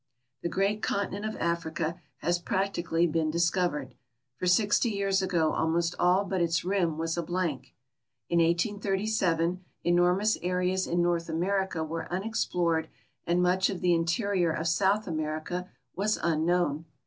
The great continent of Africa has practically been discovered, for sixty years ago almost all but its rim was a blank. In 1837 enormous areas in North America were unexplored and much of the interior of South America was unknown.